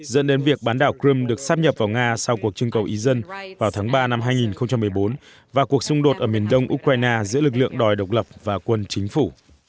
dẫn đến việc bán đảo crimea được sắp nhập vào nga sau cuộc trưng cầu ý dân vào tháng ba năm hai nghìn một mươi bốn và cuộc xung đột ở miền đông ukraine giữa lực lượng đòi độc lập và quân chính phủ